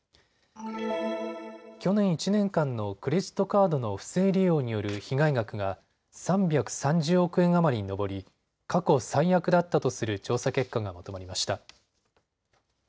去年１年間のクレジットカードの不正利用による被害額が３３０億円余りに上り、過去最悪だったとする調査結果がまとまりました。